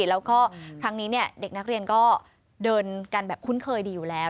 แล้วก็ครั้งนี้เด็กนักเรียนก็เดินกันแบบคุ้นเคยดีอยู่แล้ว